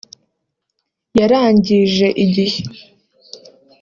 yarangije igihe